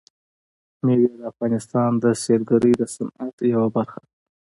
مېوې د افغانستان د سیلګرۍ د صنعت یوه برخه ده.